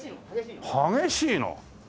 激しいのを。